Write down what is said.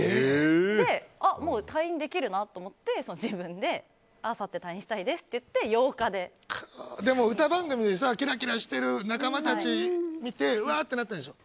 で、もう退院できるなと思って自分であさって退院したいですと言ってでも歌番組でキラキラしている仲間たち見てわーってなったでしょ。